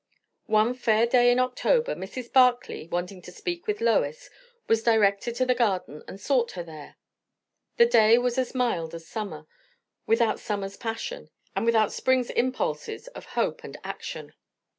One fair day in October, Mrs. Barclay, wanting to speak with Lois, was directed to the garden and sought her there. The day was as mild as summer, without summer's passion, and without spring's impulses of hope and action.